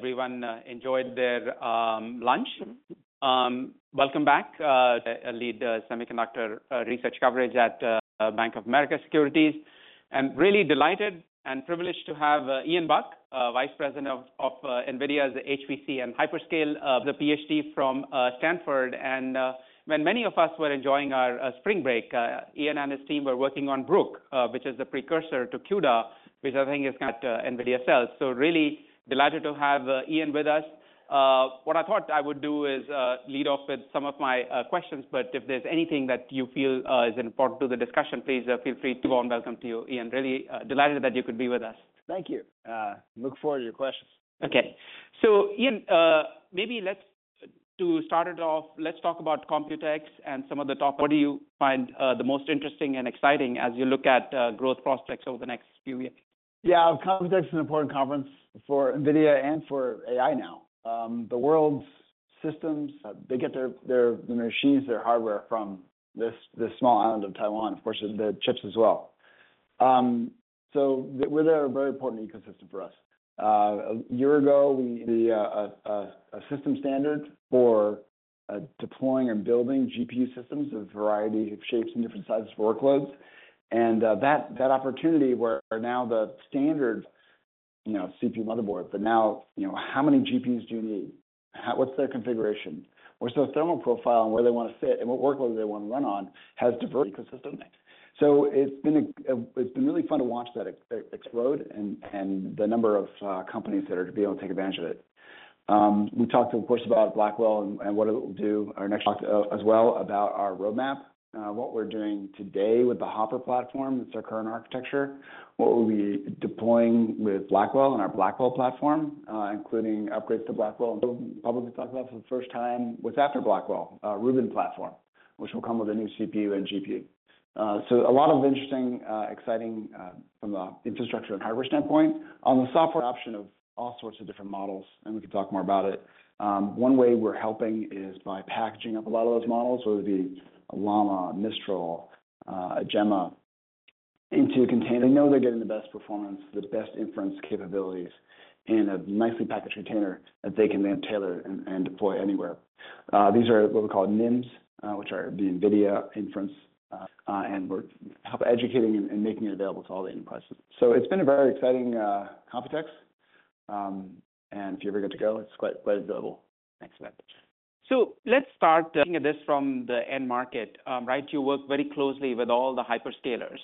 Hope everyone enjoyed their lunch. Welcome back. I lead semiconductor research coverage at Bank of America Securities, and really delighted and privileged to have Ian Buck, Vice President of NVIDIA's HPC and Hyperscale, the PhD from Stanford. When many of us were enjoying our spring break, Ian and his team were working on Brook, which is the precursor to CUDA, which I think is kind of NVIDIA sells. So really delighted to have Ian with us. What I thought I would do is lead off with some of my questions, but if there's anything that you feel is important to the discussion, please feel free to. Welcome to you, Ian. Really delighted that you could be with us. Thank you. Look forward to your questions. Okay. So Ian, maybe let's to start it off, let's talk about Computex. What do you find the most interesting and exciting as you look at growth prospects over the next few years? Yeah, Computex is an important conference for NVIDIA and for AI now. The world's systems, they get their machines, their hardware from this small island of Taiwan, of course, the chips as well. So we're there, a very important ecosystem for us. A year ago, we the a system standard for deploying and building GPU systems of a variety of shapes and different sizes of workloads. And, that, that opportunity where now the standard, you know, CPU, motherboard, but now, you know, how many GPUs do you need? How what's their configuration? What's their thermal profile and where they want to fit and what workload they want to run on, has diverse ecosystem. So it's been, it's been really fun to watch that explode and, and the number of, companies that are to be able to take advantage of it. We talked, of course, about Blackwell and, and what it will do. Our next talk, as well about our roadmap, what we're doing today with the Hopper platform. It's our current architecture. What we'll be deploying with Blackwell and our Blackwell platform, including upgrades to Blackwell. Probably talk about for the first time, what's after Blackwell, Rubin platform, which will come with a new CPU and GPU. So a lot of interesting, exciting, from a infrastructure and hardware standpoint. On the software option of all sorts of different models, and we can talk more about it. One way we're helping is by packaging up a lot of those models, whether it be Llama, Mistral, Gemma, into a container. They know they're getting the best performance, the best inference capabilities, and a nicely packaged container that they can then tailor and deploy anywhere. These are what we call NIMS, which are the NVIDIA inference, and we're helping educating and making it available to all the enterprises. So it's been a very exciting Computex, and if you're ever good to go, it's quite available. Excellent. So let's start looking at this from the end market. Right, you work very closely with all the hyperscalers.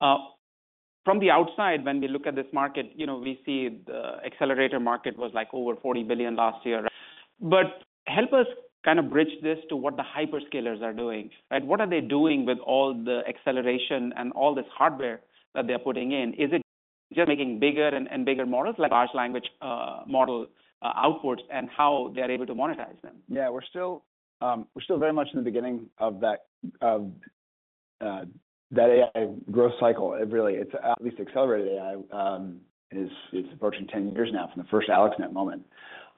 From the outside, when we look at this market, you know, we see the accelerator market was, like, over $40 billion last year. But help us kind of bridge this to what the hyperscalers are doing. Right, what are they doing with all the acceleration and all this hardware that they're putting in? Is it just making bigger and bigger models like large language model outputs, and how they're able to monetize them? Yeah, we're still, we're still very much in the beginning of that, of, that AI growth cycle. It really, it's at least accelerated AI, is, it's approaching 10 years now from the first AlexNet moment.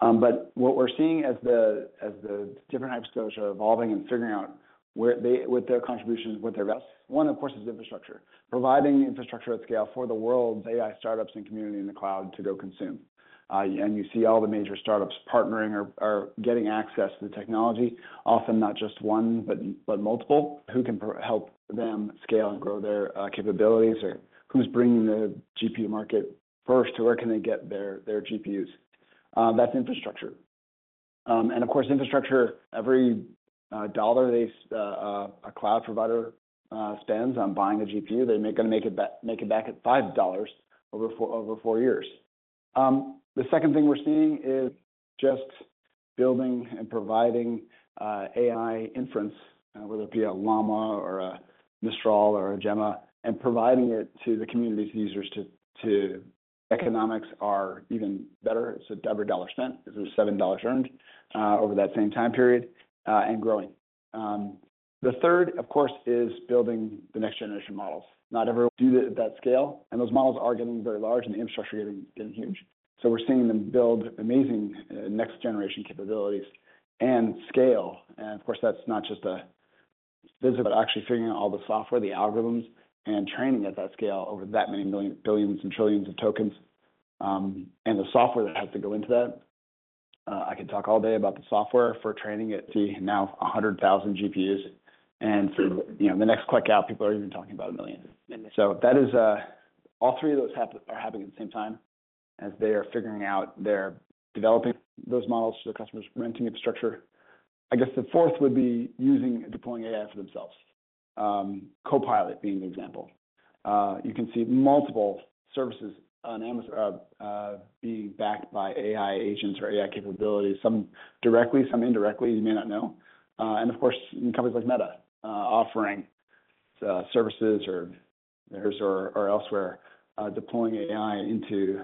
But what we're seeing as the, as the different types of those are evolving and figuring out where they- what their contributions, what their best- One, of course, is infrastructure. Providing infrastructure at scale for the world's AI startups and community in the cloud to go consume. And you see all the major startups partnering or, or getting access to the technology, often not just one, but, but multiple. Who can help them scale and grow their, capabilities, or who's bringing the GPU market first, or where can they get their, their GPUs? That's infrastructure. Of course, infrastructure. Every dollar a cloud provider spends on buying a GPU, they gonna make it back at $5 over 4 years. The second thing we're seeing is just building and providing AI inference, whether it be a Llama or a Mistral or a Gemma, and providing it to the community users. Economics are even better. It's every dollar spent, this is $7 earned over that same time period and growing. The third, of course, is building the next generation models. Not everyone do it at that scale, and those models are getting very large and the infrastructure getting huge. So we're seeing them build amazing next generation capabilities and scale. And of course, that's not just a physical, but actually figuring out all the software, the algorithms, and training at that scale over that many million, billions and trillions of tokens, and the software that has to go into that. I can talk all day about the software for training it to now 100,000 GPUs, and for, you know, the next quick out, people are even talking about a million. Amazing. So that is, all three of those are happening at the same time as they are figuring out their developing those models to their customers, renting infrastructure. I guess the fourth would be using and deploying AI for themselves. Copilot being an example. You can see multiple services on Amazon being backed by AI agents or AI capabilities, some directly, some indirectly, you may not know. And of course, companies like Meta offering services or theirs or elsewhere deploying AI into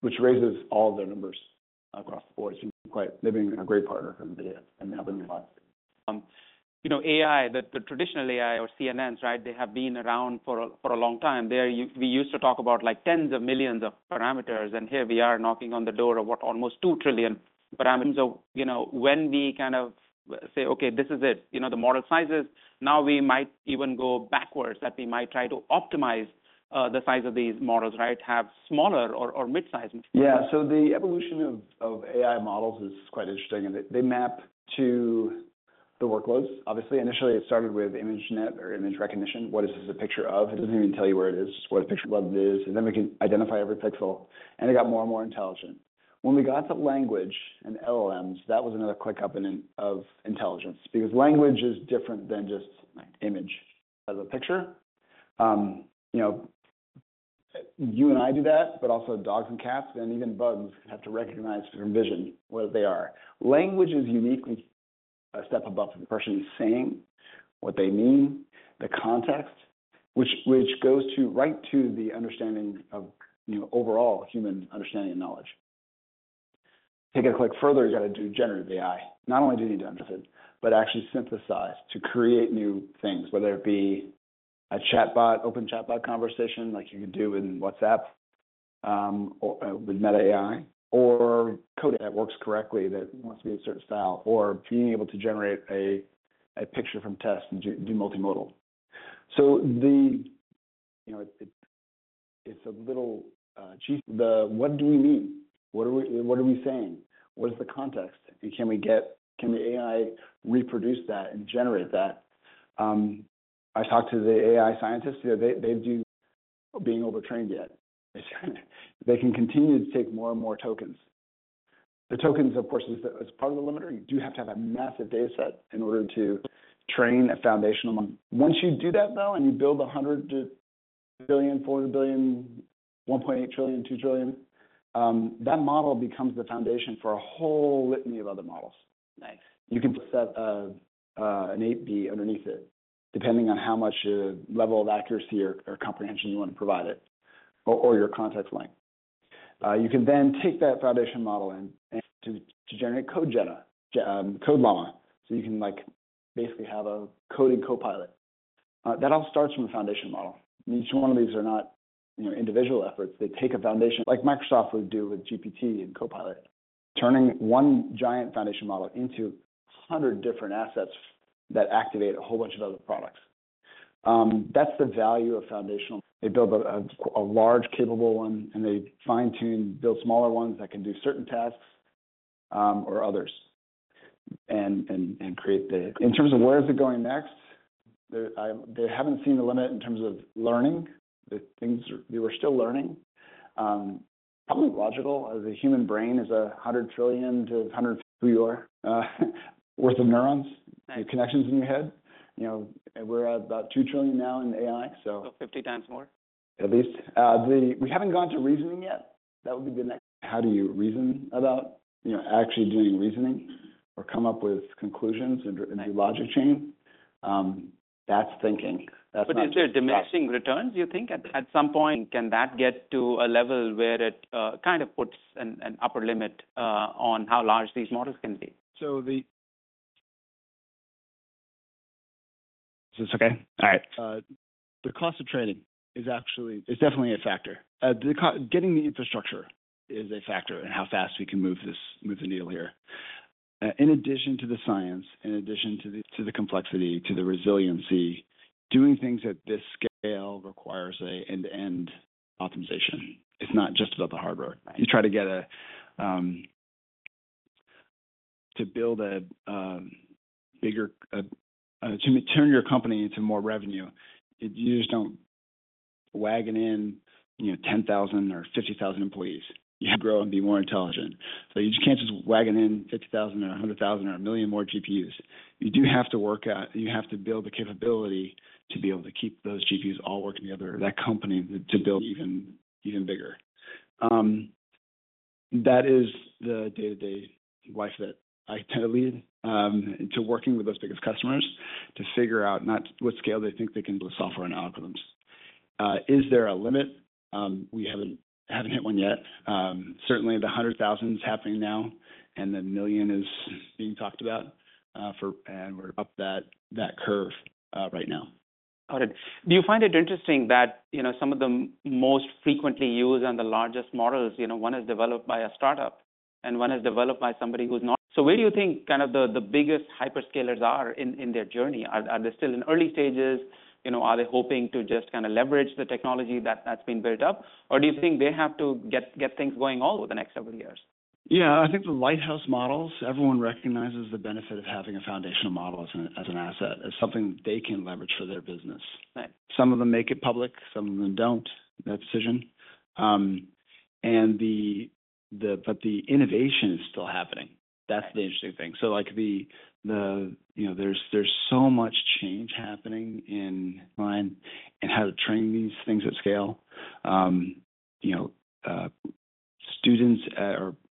which raises all their numbers across the board. They've been a great partner for NVIDIA, and they have been fantastic. You know, AI, the traditional AI or CNNs, right, they have been around for a long time. They are we used to talk about like, tens of millions of parameters, and here we are knocking on the door of, what? Almost 2 trillion-... but, so you know, when we kind of say, okay, this is it, you know, the model sizes, now we might even go backwards, that we might try to optimize, the size of these models, right? Have smaller or mid-size. Yeah. So the evolution of AI models is quite interesting, and they map to the workloads. Obviously, initially, it started with ImageNet or image recognition. What is this a picture of? It doesn't even tell you where it is, what a picture of it is, and then we can identify every pixel, and it got more and more intelligent. When we got to language and LLMs, that was another quick up in intelligence because language is different than just image as a picture. You know, you and I do that, but also dogs and cats, and even bugs have to recognize through vision, what they are. Language is uniquely a step above, the person saying what they mean, the context, which goes right to the understanding of, you know, overall human understanding and knowledge. Take it a click further. You got to do generative AI. Not only do you need to understand it, but actually synthesize to create new things, whether it be a chatbot, open chatbot conversation like you can do in WhatsApp or with Meta AI, or code that works correctly that wants to be a certain style, or being able to generate a picture from text and do multimodal. So, you know, it's a little... What do we mean? What are we saying? What is the context? And can we get? Can the AI reproduce that and generate that? I talked to the AI scientists. They're not overtrained yet. They can continue to take more and more tokens. The tokens, of course, is part of the limiter. You do have to have a massive data set in order to train a foundational model. Once you do that, though, and you build 100 billion, 400 billion, 1.8 trillion, 2 trillion, that model becomes the foundation for a whole litany of other models. Nice. You can set an AP underneath it, depending on how much level of accuracy or comprehension you want to provide it, or your context length. You can then take that foundation model in and to generate Code Llama. So you can, like, basically have a coding Copilot. That all starts from a foundation model. Each one of these are not, you know, individual efforts. They take a foundation, like Microsoft would do with GPT and Copilot, turning one giant foundation model into 100 different assets that activate a whole bunch of other products. That's the value of foundational. They build a large, capable one, and they fine-tune, build smaller ones that can do certain tasks, or others, and create the... In terms of where is it going next, they haven't seen the limit in terms of learning. The things they are still learning. Probably logical, as a human brain is 100 trillion to 100 trillion who you are worth of neurons. Nice. - connections in your head. You know, we're at about 2 trillion now in AI, so- So 50 times more? At least. We haven't gone to reasoning yet. That would be the next. How do you reason about, you know, actually doing reasoning or come up with conclusions in a, in a logic chain? That's thinking. That's not- But is there diminishing returns, you think? At some point, can that get to a level where it kind of puts an upper limit on how large these models can be? Is this okay? All right. The cost of training is actually, is definitely a factor. The cost of getting the infrastructure is a factor in how fast we can move this, move the needle here. In addition to the science, in addition to the, to the complexity, to the resiliency, doing things at this scale requires an end-to-end optimization. It's not just about the hardware. Right. You try to turn your company into more revenue, you just don't waltz in, you know, 10,000 or 50,000 employees. You grow and be more intelligent. So you just can't just waltz in 60,000 or 100,000 or 1,000,000 more GPUs. You do have to work out. You have to build the capability to be able to keep those GPUs all working together, that company, to build even bigger. That is the day-to-day life that I tend to lead, working with those biggest customers, to figure out not what scale they think they can build software and algorithms. Is there a limit? We haven't hit one yet. Certainly, the 100,000 is happening now, and the 1 million is being talked about, and we're up that curve right now. Got it. Do you find it interesting that, you know, some of the most frequently used and the largest models, you know, one is developed by a startup and one is developed by somebody who's not? So where do you think kind of the biggest hyperscalers are in their journey? Are they still in early stages? You know, are they hoping to just kind of leverage the technology that's been built up? Or do you think they have to get things going all over the next several years? Yeah, I think the lighthouse models, everyone recognizes the benefit of having a foundational model as an, as an asset, as something they can leverage for their business. Right. Some of them make it public, some of them don't, their decision. But the innovation is still happening. Right. That's the interesting thing. So like the, you know, there's so much change happening in mind and how to train these things at scale. You know, students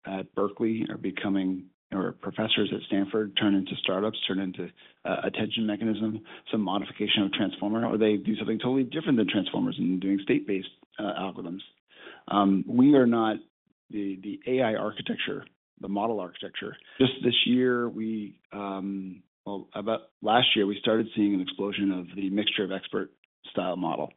at Berkeley are becoming, or professors at Stanford, turn into startups, turn into attention mechanism, some modification of transformer, or they do something totally different than transformers and doing state-based algorithms. We are not the AI architecture, the model architecture. Just this year, well, about last year, we started seeing an explosion of the mixture of experts style model,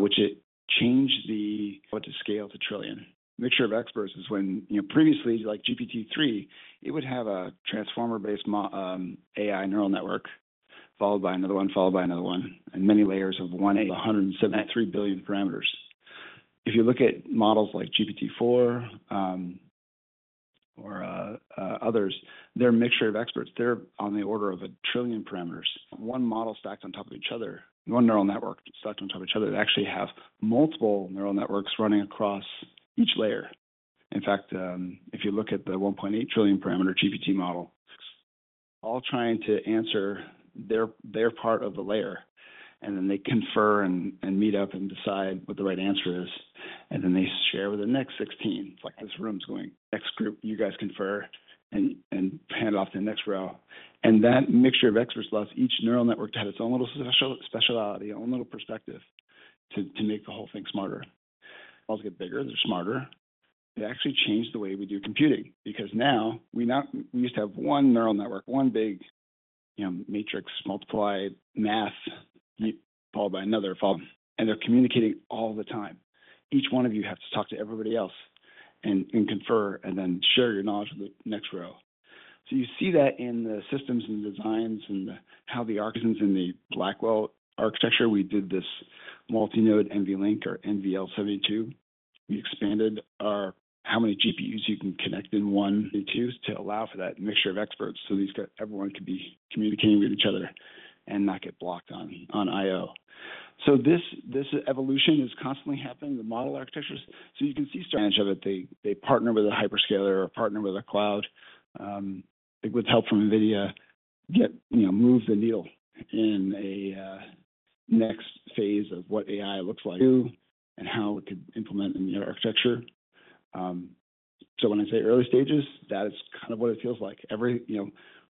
which it changed the, what to scale to trillion. Mixture of experts is when, you know, previously, like GPT-3, it would have a transformer-based AI neural network, followed by another one, followed by another one, and many layers of one to 173 billion parameters. If you look at models like GPT-4 or others, they're a mixture of experts. They're on the order of a trillion parameters. One model stacked on top of each other. One neural network stacked on top of each other, they actually have multiple neural networks running across each layer. In fact, if you look at the 1.8 trillion parameter GPT model, all trying to answer their part of the layer, and then they confer and meet up and decide what the right answer is, and then they share with the next 16. It's like this room's going next group, you guys confer and hand it off to the next row. And that mixture of experts allows each neural network to have its own little special, specialty, own little perspective, to make the whole thing smarter. Models get bigger, they're smarter. It actually changed the way we do computing, because now we used to have one neural network, one big, you know, matrix, multiply math, followed by another, followed... And they're communicating all the time. Each one of you has to talk to everybody else and, and confer, and then share your knowledge with the next row. So you see that in the systems and designs and how the architects in the Blackwell architecture, we did this multi-node NVLink or NVL72. We expanded our how many GPUs you can connect in one two, to allow for that mixture of experts. So these everyone can be communicating with each other and not get blocked on, on IO. So this, this evolution is constantly happening, the model architectures. So you can see strategy of it. They partner with a hyperscaler or partner with a cloud, with help from NVIDIA, get, you know, move the needle in a next phase of what AI looks like, and how it could implement in the architecture. So when I say early stages, that is kind of what it feels like.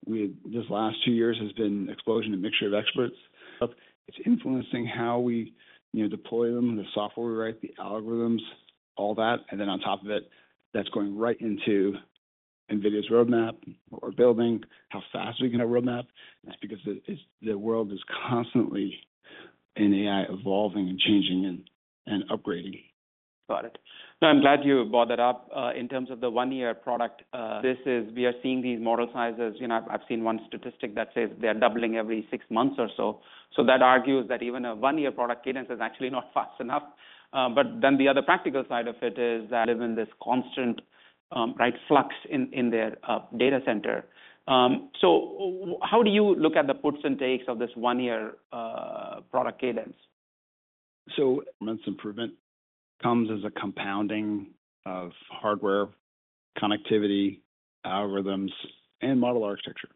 This last two years has been explosion and mixture of experts. It's influencing how we, you know, deploy them, the software we write, the algorithms, all that. And then on top of it, that's going right into NVIDIA's roadmap, what we're building, how fast we can have a roadmap. That's because the world is constantly in AI, evolving and changing and upgrading. Got it. I'm glad you brought that up, in terms of the one-year product. This is... We are seeing these model sizes, you know, I've seen one statistic that says they are doubling every six months or so. So that argues that even a one-year product cadence is actually not fast enough. But then the other practical side of it is that is in this constant, right, flux in, in their, data center. So how do you look at the puts and takes of this one-year, product cadence? So performance improvement comes as a compounding of hardware, connectivity, algorithms, and model architecture.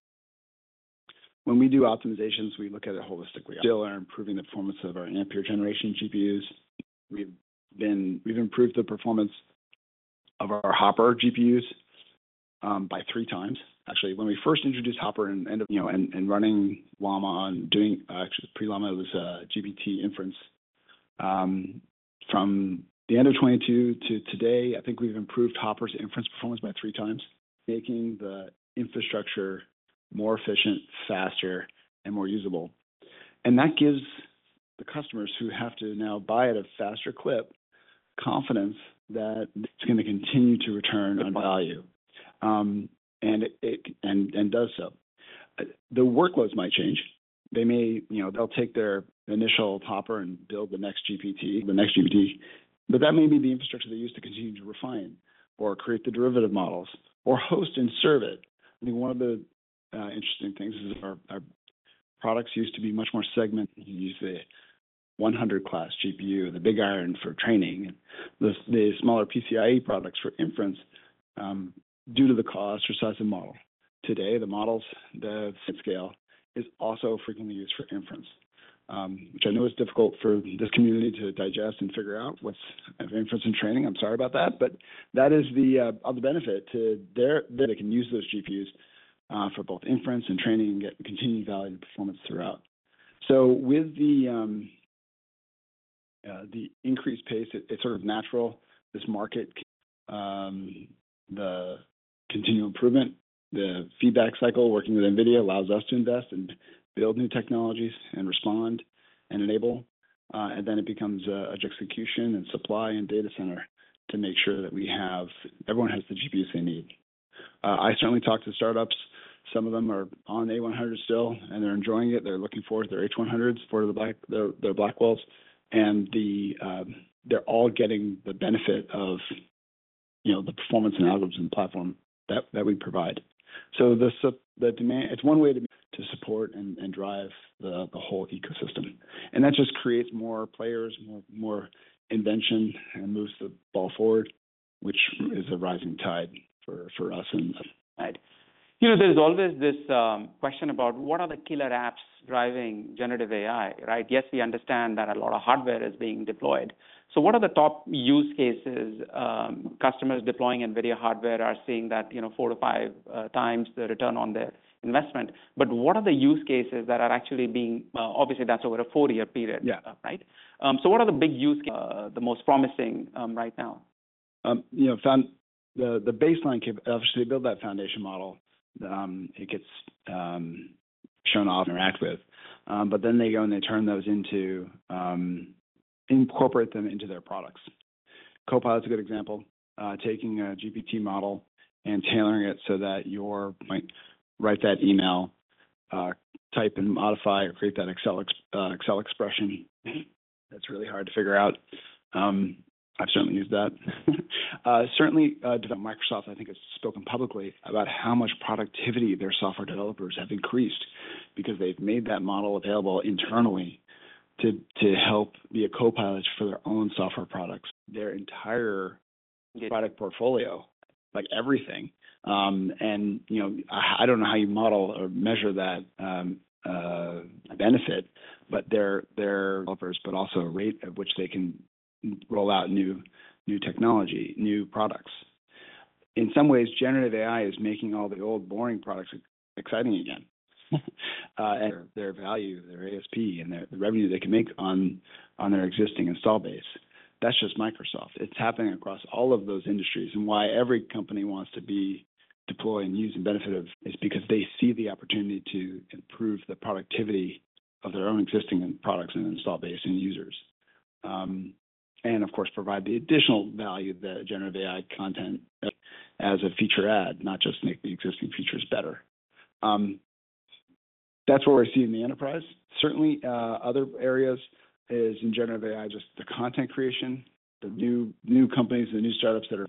When we do optimizations, we look at it holistically. Still are improving the performance of our Ampere generation GPUs. We've improved the performance of our Hopper GPUs by three times. Actually, when we first introduced Hopper and, you know, running Llama on doing actually pre-Llama, it was GPT inference. From the end of 2022 to today, I think we've improved Hopper's inference performance by three times, making the infrastructure more efficient, faster, and more usable. And that gives the customers who have to now buy at a faster clip confidence that it's gonna continue to return on value. And it does so. The workloads might change. They may, you know, they'll take their initial Hopper and build the next GPT, the next GPT, but that may be the infrastructure they use to continue to refine or create the derivative models or host and serve it. I think one of the interesting things is our products used to be much more segmented. You use the 100-class GPU, the big iron for training, and the smaller PCIe products for inference, due to the cost or size of model. Today, the models, the scale, is also frequently used for inference, which I know is difficult for this community to digest and figure out what's inference and training. I'm sorry about that, but that is the other benefit to their—they can use those GPUs for both inference and training and get continued value and performance throughout. So with the increased pace, it's sort of natural, this market, the continued improvement, the feedback cycle, working with NVIDIA allows us to invest and build new technologies and respond and enable, and then it becomes execution and supply and data center to make sure that we have—everyone has the GPUs they need. I certainly talk to startups. Some of them are on A100 still, and they're enjoying it. They're looking forward to their H100s for the Blackwells, and they're all getting the benefit of, you know, the performance and algorithms platform that we provide. So the demand—it's one way to support and drive the whole ecosystem. That just creates more players, more invention, and moves the ball forward, which is a rising tide for us and- Right. You know, there's always this question about what are the killer apps driving generative AI, right? Yes, we understand that a lot of hardware is being deployed. So what are the top use cases customers deploying NVIDIA hardware are seeing that, you know, 4-5 times the return on their investment, but what are the use cases that are actually being... Obviously, that's over a 4-year period. Yeah. Right? So what are the big use, the most promising, right now?... You know, they found the baseline cap—so they build that foundation model, it gets shown off, interact with. But then they go and they turn those into, incorporate them into their products. Copilot is a good example, taking a GPT model and tailoring it so that you're like, write that email, type and modify or create that Excel ex—Excel expression. That's really hard to figure out. I've certainly used that. Certainly, Microsoft, I think, has spoken publicly about how much productivity their software developers have increased because they've made that model available internally to help be a copilot for their own software products, their entire product portfolio, like everything. And, you know, I don't know how you model or measure that benefit, but their developers, but also the rate at which they can roll out new technology, new products. In some ways, generative AI is making all the old, boring products exciting again, and their value, their ASP, and the revenue they can make on their existing install base. That's just Microsoft. It's happening across all of those industries, and why every company wants to be deploying and using benefit of, is because they see the opportunity to improve the productivity of their own existing products and install base and users. And of course, provide the additional value that generative AI content as a feature add, not just make the existing features better. That's what we're seeing in the enterprise. Certainly, other areas is in generative AI, just the content creation, the new, new companies, the new startups that are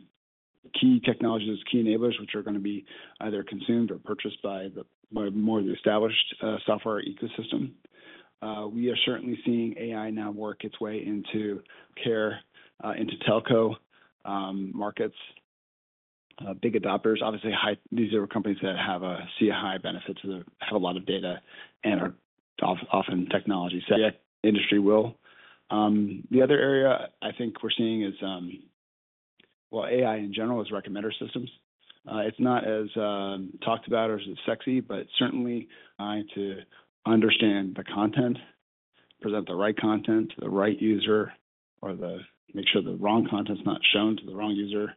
key technologies, key enablers, which are gonna be either consumed or purchased by the, by more of the established, software ecosystem. We are certainly seeing AI now work its way into care, into telco, markets. Big adopters, obviously, high—these are companies that see a high benefit to the... have a lot of data and are of often technology. So, yeah, industry will. The other area I think we're seeing is, well, AI in general is recommender systems. It's not as talked about or as sexy, but certainly AI to understand the content, present the right content to the right user, or to make sure the wrong content is not shown to the wrong user,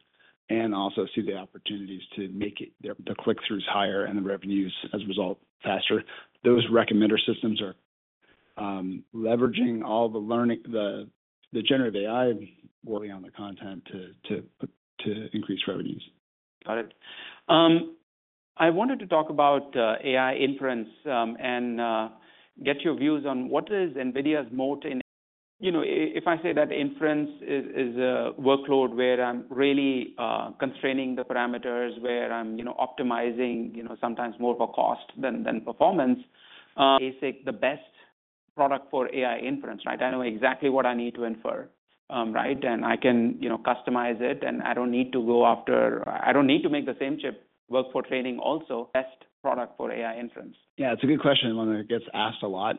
and also see the opportunities to make the click-throughs higher and the revenues, as a result, faster. Those recommender systems are leveraging all the learning, the generative AI working on the content to increase revenues. Got it. I wanted to talk about AI inference and get your views on what is NVIDIA's moat in... You know, if I say that inference is a workload where I'm really constraining the parameters, where I'm, you know, optimizing, you know, sometimes more for cost than performance, is like the best product for AI inference, right? I know exactly what I need to infer, right? And I can, you know, customize it, and I don't need to go after-- I don't need to make the same chip work for training also. Best product for AI inference. Yeah, it's a good question, one that gets asked a lot.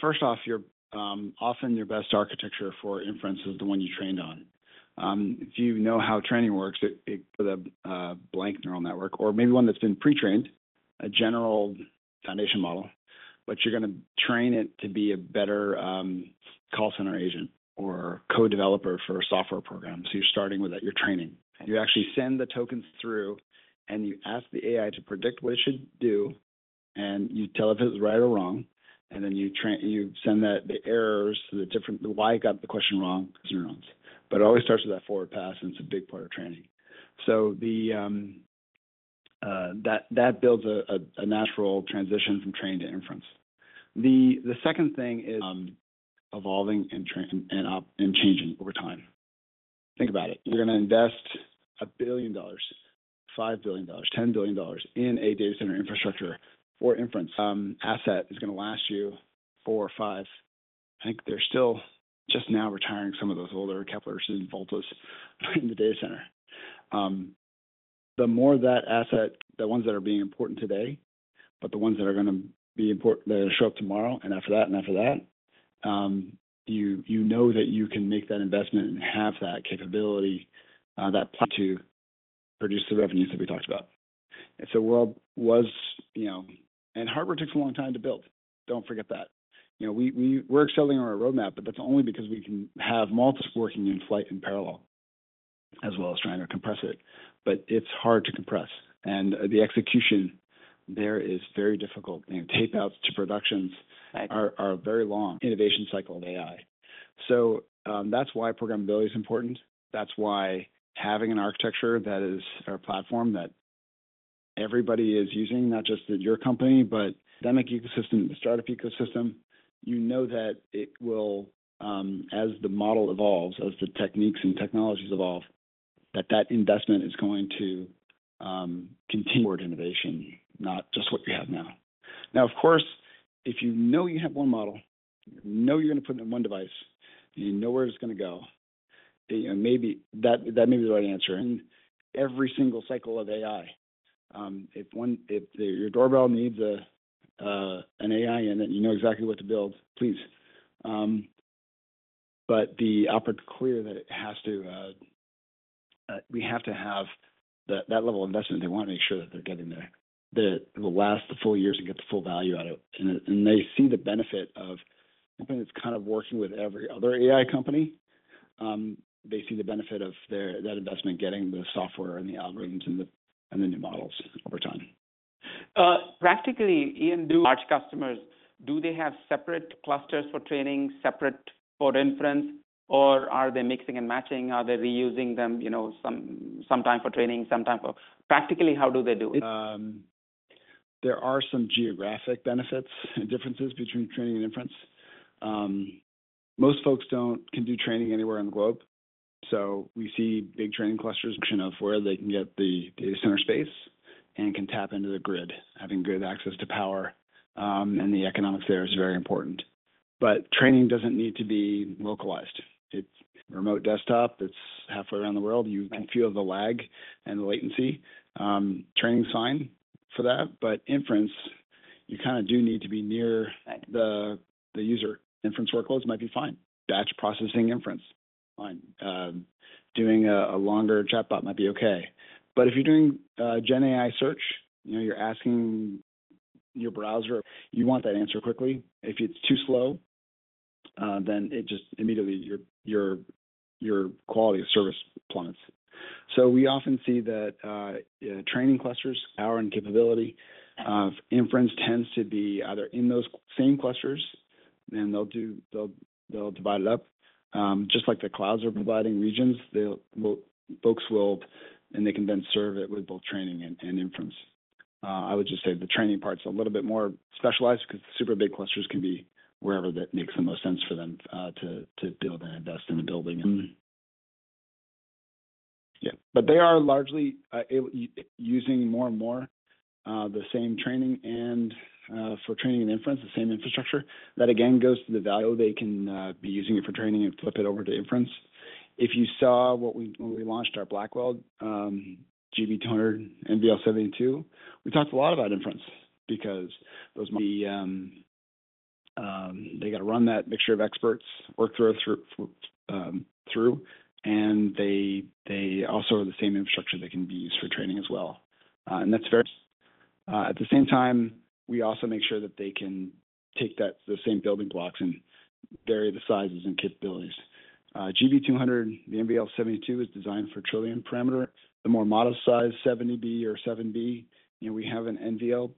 First off, your often your best architecture for inference is the one you trained on. If you know how training works, it blank neural network, or maybe one that's been pre-trained, a general foundation model, but you're gonna train it to be a better call center agent or code developer for a software program. So you're starting with that, you're training. You actually send the tokens through, and you ask the AI to predict what it should do, and you tell if it was right or wrong, and then you train. You send the errors to the different... Why it got the question wrong? Neurons. But it always starts with that forward pass, and it's a big part of training. So that builds a natural transition from train to inference. The second thing is evolving and changing over time. Think about it. You're gonna invest $1 billion, $5 billion, $10 billion in a data center infrastructure for inference. Asset is gonna last you four or five. I think they're still just now retiring some of those older Kepler and Volta in the data center. The more that asset, the ones that are being important today, but the ones that are gonna be important, that show up tomorrow and after that, and after that, you know that you can make that investment and have that capability to produce the revenues that we talked about. It's a world, you know. And hardware takes a long time to build. Don't forget that. You know, we're accelerating on our roadmap, but that's only because we can have multiple working in flight in parallel, as well as trying to compress it. But it's hard to compress, and the execution there is very difficult. You know, tape-outs to production- Right. are very long innovation cycle of AI. So, that's why programmability is important. That's why having an architecture that is a platform, that everybody is using, not just at your company, but that ecosystem, the startup ecosystem, you know that it will, as the model evolves, as the techniques and technologies evolve, that that investment is going to, continue innovation, not just what you have now. Now, of course, if you know you have one model, you know you're going to put it in one device, you know where it's gonna go, you know, maybe that, that may be the right answer. In every single cycle of AI, if your doorbell needs a, an AI in it, you know exactly what to build, please. But the output clear that it has to. We have to have that level of investment. They want to make sure that they're getting the, the last the full years and get the full value out of it. And they see the benefit of... I think it's kind of working with every other AI company. They see the benefit of their, that investment getting the software and the algorithms and the, and the new models over time. Practically, Ian, do large customers have separate clusters for training, separate for inference, or are they mixing and matching? Are they reusing them, you know, some time for training, some time for... Practically, how do they do it? There are some geographic benefits and differences between training and inference. Most folks can do training anywhere in the globe, so we see big training clusters of where they can get the data center space and can tap into the grid. Having good access to power, and the economics there is very important. But training doesn't need to be localized. It's remote desktop, it's halfway around the world. Right. You can feel the lag and the latency, training's fine for that. But inference, you kinda do need to be near- Right the user. Inference workloads might be fine. Batch processing inference, fine. Doing a longer chatbot might be okay, but if you're doing GenAI search, you know, you're asking your browser, you want that answer quickly. If it's too slow, then it just immediately your quality of service plummets. So we often see that, training clusters, power and capability of inference tends to be either in those same clusters and they'll do—they'll divide it up. Just like the clouds are providing regions, they'll—folks will, and they can then serve it with both training and inference. I would just say the training part's a little bit more specialized because super big clusters can be wherever that makes the most sense for them, to build and invest in the building. Mm-hmm. Yeah. But they are largely using more and more the same training and for training and inference, the same infrastructure. That, again, goes to the value they can be using it for training and flip it over to inference. If you saw what we when we launched our Blackwell, GB200 NVL72, we talked a lot about inference because those, they got to run that mixture of experts work through, and they, they also are the same infrastructure that can be used for training as well. And that's very... At the same time, we also make sure that they can take that, the same building blocks and vary the sizes and capabilities. GB200, the NVL72 is designed for trillion parameter. The more modest size, 70B or 7B, and we have an NVL2,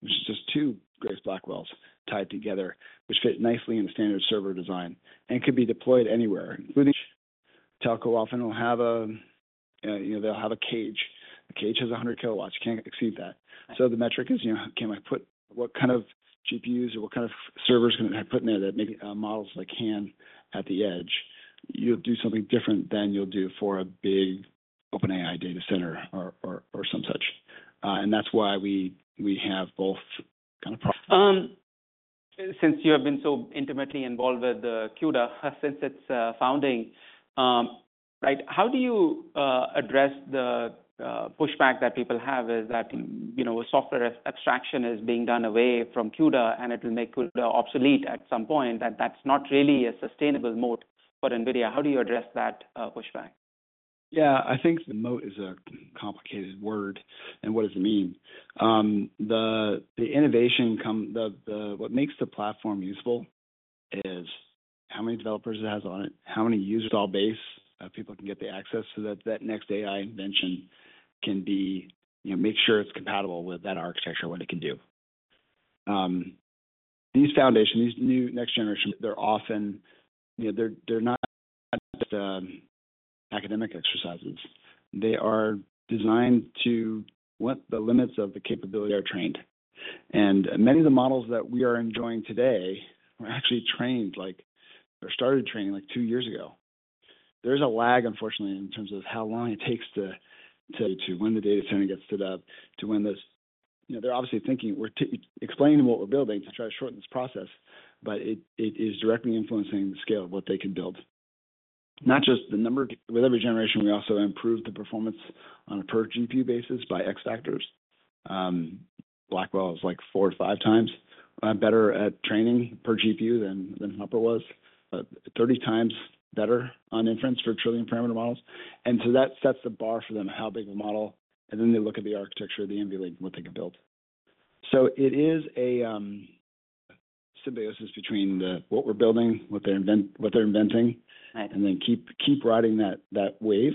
which is just 2 Grace Blackwells tied together, which fit nicely in a standard server design and can be deployed anywhere, including- Telco often will have a, you know, they'll have a cage. A cage has 100 kilowatts, can't exceed that. Right. So the metric is, you know, can I put what kind of GPUs or what kind of servers can I put in there that maybe models like can at the edge? You'll do something different than you'll do for a big OpenAI data center or some such. And that's why we have both kind of- Since you have been so intimately involved with CUDA since its founding, how do you address the pushback that people have is that, you know, software as abstraction is being done away from CUDA and it will make CUDA obsolete at some point? That's not really a sustainable moat for NVIDIA. How do you address that pushback? Yeah, I think the moat is a complicated word, and what does it mean? The innovation... what makes the platform useful is how many developers it has on it, how many user base, people can get the access so that that next AI invention can be, you know, make sure it's compatible with that architecture and what it can do. These foundations, these new next generation, they're often, you know, they're not academic exercises. They are designed to what the limits of the capability are trained. And many of the models that we are enjoying today were actually trained, like, or started training, like two years ago. There's a lag, unfortunately, in terms of how long it takes to when the data center gets stood up to when this... You know, they're obviously thinking, we're explaining what we're building to try to shorten this process, but it is directly influencing the scale of what they can build. Not just the number. With every generation, we also improve the performance on a per GPU basis by x factors. Blackwell is like 4-5 times better at training per GPU than Hopper was, but 30 times better on inference for trillion parameter models. And so that sets the bar for them, how big of a model, and then they look at the architecture of the NVLink, what they can build. So it is a symbiosis between what we're building, what they're inventing. Right. and then keep riding that wave.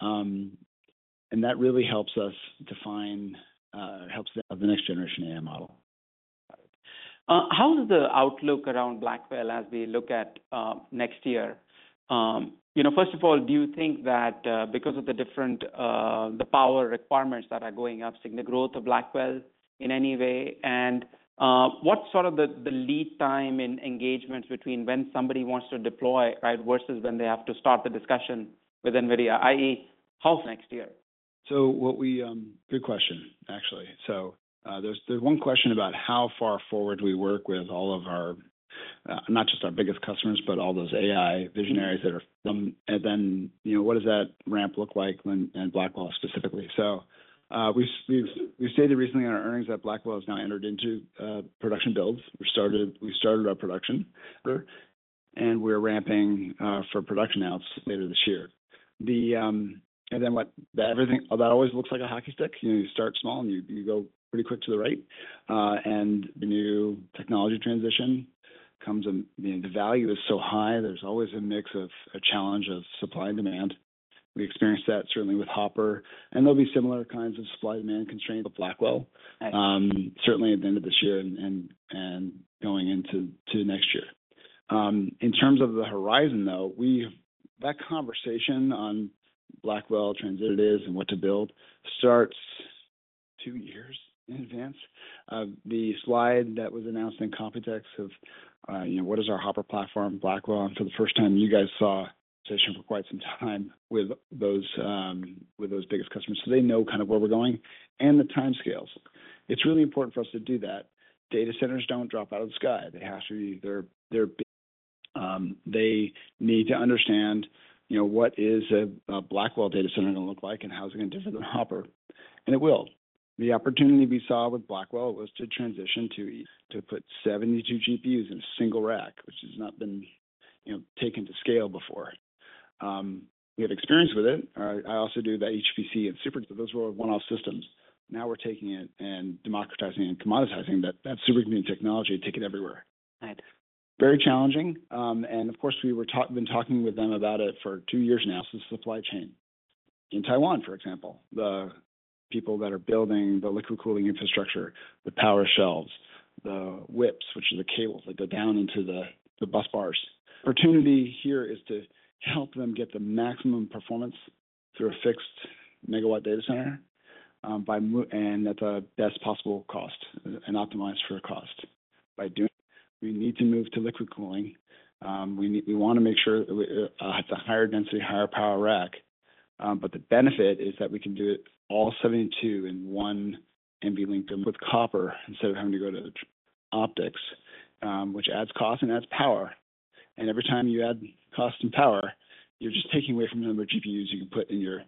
That really helps us define the next generation AI model. How is the outlook around Blackwell as we look at next year? You know, first of all, do you think that because of the different power requirements that are going up seeing the growth of Blackwell in any way? And what's sort of the lead time in engagement between when somebody wants to deploy, right, versus when they have to start the discussion with NVIDIA, i.e., how next year? Good question, actually. So, there's one question about how far forward we work with all of our, not just our biggest customers, but all those AI visionaries that are... And then, you know, what does that ramp look like when, and Blackwell specifically? So, we've stated recently in our earnings that Blackwell has now entered into production builds. We started our production... and we're ramping for production outs later this year. And then what—everything—That always looks like a hockey stick. You know, you start small, and you go pretty quick to the right. And the new technology transition comes in. The value is so high, there's always a mix of a challenge of supply and demand. We experienced that certainly with Hopper, and there'll be similar kinds of supply and demand constraints with Blackwell, certainly at the end of this year and going into next year. In terms of the horizon, though, we've that conversation on Blackwell transition is, and what to build, starts two years in advance. The slide that was announced in Computex of, you know, what is our Hopper platform, Blackwell? And for the first time, you guys saw for quite some time with those biggest customers. So they know kind of where we're going and the timescales. It's really important for us to do that. Data centers don't drop out of the sky. They have to be. They're, they need to understand, you know, what is a Blackwell data center going to look like, and how is it going to differ from Hopper? And it will. The opportunity we saw with Blackwell was to transition to put 72 GPUs in a single rack, which has not been, you know, taken to scale before. We have experience with it. I also do the HPC and Supermicro, those were one-off systems. Now we're taking it and democratizing and commoditizing that supercomputing technology, taking it everywhere. Right. Very challenging. And of course, we've been talking with them about it for two years now, since the supply chain. In Taiwan, for example, the people that are building the liquid cooling infrastructure, the power shelves, the whips, which are the cables that go down into the bus bars. Opportunity here is to help them get the maximum performance through a fixed megawatt data center, by and at the best possible cost, and optimize for a cost. By doing, we need to move to liquid cooling. We want to make sure it's a higher density, higher power rack. But the benefit is that we can do it all 72 in one NVLink them with copper instead of having to go to optics, which adds cost and adds power. Every time you add cost and power, you're just taking away from the number of GPUs you can put in your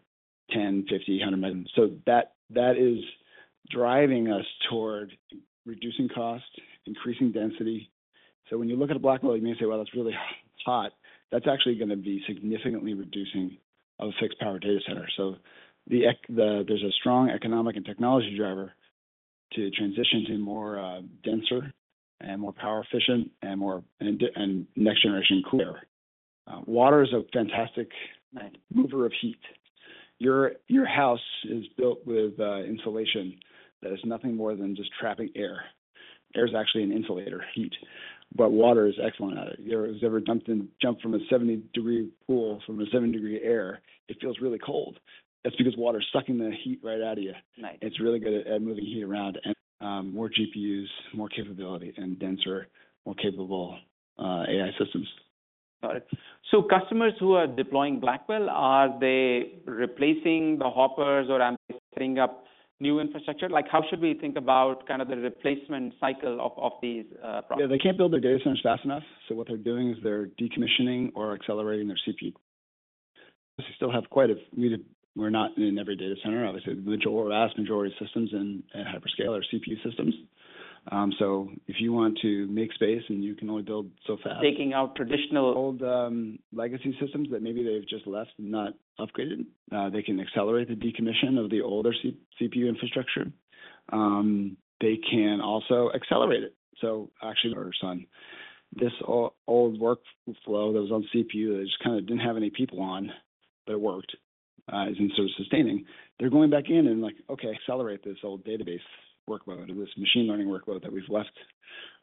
10, 50, 100 million. So that, that is driving us toward reducing cost, increasing density. So when you look at a Blackwell, you may say, "Well, it's really hot." That's actually gonna be significantly reducing of a fixed power data center. So the, there's a strong economic and technology driver to transition to more denser and more power efficient and more and next-generation cooler. Water is a fantastic- Right Mover of heat. Your, your house is built with insulation that is nothing more than just trapping air. Air is actually an insulator of heat, but water is excellent at it. If you've ever jumped in, jumped from a 70-degree pool, from a 70-degree air, it feels really cold. That's because water is sucking the heat right out of you. Right. It's really good at moving heat around, and more GPUs, more capability, and denser, more capable AI systems. Got it. So customers who are deploying Blackwell, are they replacing the Hoppers, or are they setting up new infrastructure? Like, how should we think about kind of the replacement cycle of these products? Yeah, they can't build their data centers fast enough, so what they're doing is they're decommissioning or accelerating their CPU. Still have quite a few. We're not in every data center. Obviously, the vast majority of systems in at hyperscale are CPU systems. So if you want to make space and you can only build so fast- Taking out traditional- Old, legacy systems that maybe they've just left, not upgraded, they can accelerate the decommission of the older CPU infrastructure. They can also accelerate it. So actually, or so, this old workflow that was on CPU, they just kinda didn't have any people on, but it worked, and so it's sustaining. They're going back in and like, "Okay, accelerate this old database workload or this machine learning workload that we've left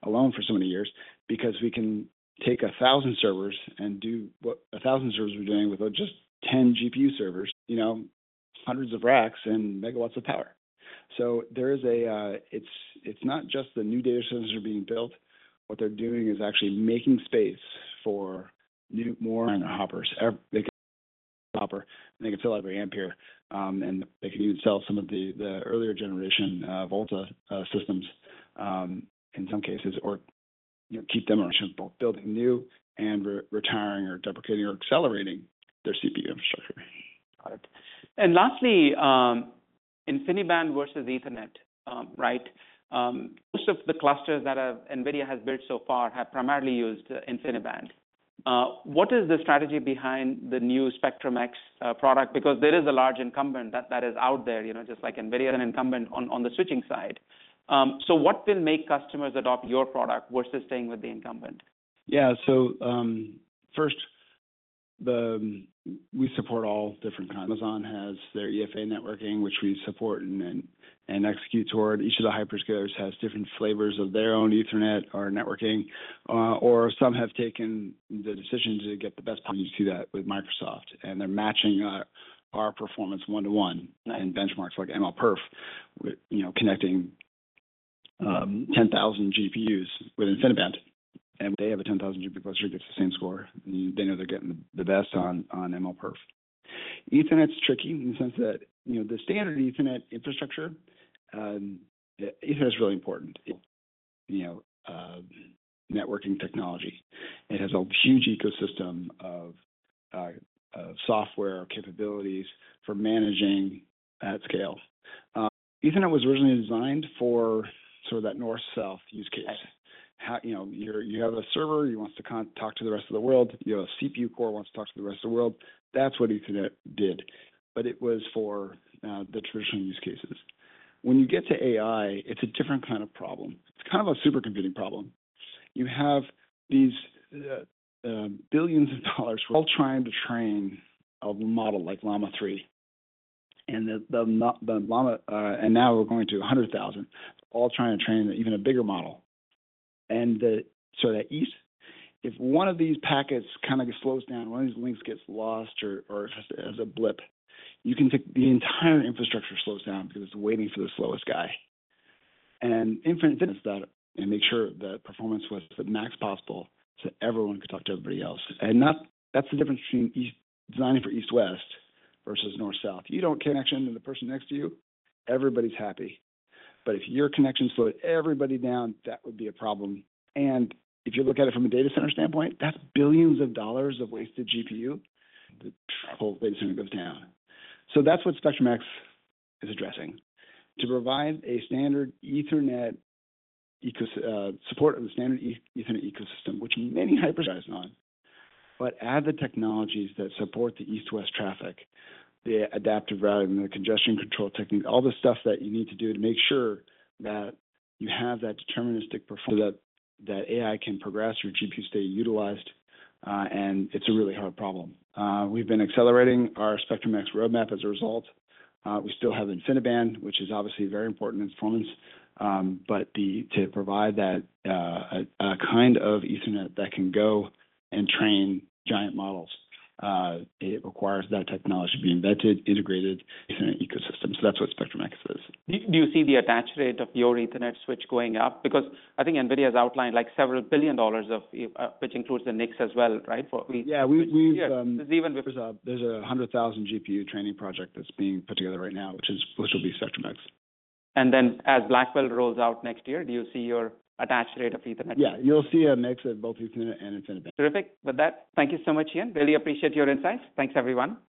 alone for so many years," because we can take 1,000 servers and do what 1,000 servers were doing with just 10 GPU servers, you know, hundreds of racks and megawatts of power. So there is a... It's not just the new data centers that are being built. What they're doing is actually making space for new, more Hoppers. Every Hopper, and they can fill every Ampere, and they can even sell some of the, the earlier generation, Volta, systems, in some cases or, you know, keep them or build new and re-retiring or deprecating or accelerating their CPU infrastructure. Got it. And lastly, InfiniBand versus Ethernet, right? Most of the clusters that NVIDIA has built so far have primarily used InfiniBand. What is the strategy behind the new Spectrum-X product? Because there is a large incumbent that is out there, you know, just like NVIDIA, an incumbent on the switching side. So what will make customers adopt your product versus staying with the incumbent? Yeah. So, first, we support all different kinds. Amazon has their EFA networking, which we support and execute toward. Each of the hyperscalers has different flavors of their own Ethernet or networking, or some have taken the decision to get the best. We see that with Microsoft, and they're matching our performance 1-to-1 in benchmarks like MLPerf, with, you know, connecting 10,000 GPUs with InfiniBand, and they have a 10,000-GPU cluster, gets the same score. They know they're getting the best on MLPerf. Ethernet's tricky in the sense that, you know, the standard Ethernet infrastructure, Ethernet is really important, you know, networking technology. It has a huge ecosystem, software capabilities for managing at scale. Ethernet was originally designed for sort of that north-south use case. How, you know, you have a server, it wants to talk to the rest of the world. You have a CPU core, wants to talk to the rest of the world. That's what Ethernet did, but it was for the traditional use cases. When you get to AI, it's a different kind of problem. It's kind of a supercomputing problem. You have these billions of dollars all trying to train a model like Llama 3. The Llama, and now we're going to 100,000, all trying to train an even bigger model. If one of these packets kind of slows down, one of these links gets lost or has a blip, the entire infrastructure slows down because it's waiting for the slowest guy. And InfiniBand did that and made sure the performance was the max possible, so everyone could talk to everybody else. And not—that's the difference between designing for east-west versus north-south. You don't connect to the person next to you, everybody's happy. But if your connection slowed everybody down, that would be a problem. And if you look at it from a data center standpoint, that's $ billions of wasted GPU. The whole data center goes down. So that's what Spectrum-X is addressing, to provide a standard Ethernet ecos... support of the standard Ethernet ecosystem, which many hyperscalers are not, but add the technologies that support the East-West traffic, the adaptive routing, the congestion control technique, all the stuff that you need to do to make sure that you have that deterministic performance, so that, that AI can progress, your GPU stay utilized, and it's a really hard problem. We've been accelerating our Spectrum-X roadmap as a result. We still have InfiniBand, which is obviously very important in performance, but to provide that, a kind of Ethernet that can go and train giant models, it requires that technology to be embedded, integrated Ethernet ecosystem. So that's what Spectrum-X is. Do you see the attach rate of your Ethernet switch going up? Because I think NVIDIA has outlined, like, $several billion of which includes the NICs as well, right? For- Yeah, we've- It's even- There's a 100,000 GPU training project that's being put together right now, which will be Spectrum-X. And then as Blackwell rolls out next year, do you see your attach rate of Ethernet? Yeah, you'll see a mix of both Ethernet and InfiniBand. Terrific. With that, thank you so much, Ian. Really appreciate your insights. Thanks, everyone.